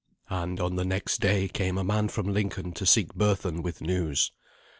And on the next day came a man from Lincoln to seek Berthun, with news.